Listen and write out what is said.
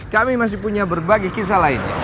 kami masih punya berbagai kisah lainnya